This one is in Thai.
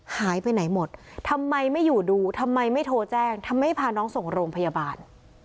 หายไปไหนหมดทำไมไม่อยู่ดูทำไมไม่โทรแจ้งทำไมพาน้องส่งโรงพยาบาล